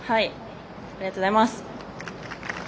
ありがとうございます。